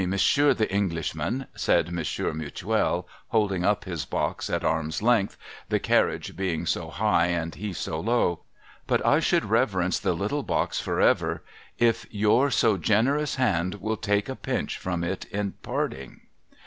Monsieur The Englishman,' said Monsieur Mutuel, holding up his box at arm's length, the carriage being so high and he so low ;' but I shall reverence the little box for ever, if your so generous hand will take a pinch from it at parting.'